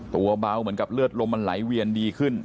ตัวเบาเหมือนกับเลือดลมมันไหลเวียนดีขึ้น